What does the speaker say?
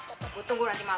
oke ya gue tunggu nanti malam